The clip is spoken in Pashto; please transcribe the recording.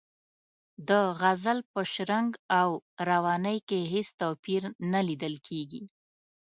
د غزل په شرنګ او روانۍ کې هېڅ توپیر نه لیدل کیږي.